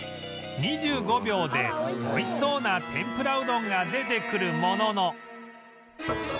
２５秒で美味しそうな天ぷらうどんが出てくるものの